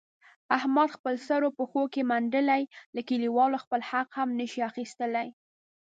احمد خپل سر پښو کې منډلی، له کلیوالو خپل حق هم نشي اخستلای.